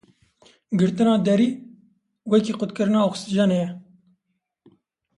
Girtina derî wekî qutkirina oksîjenê ye.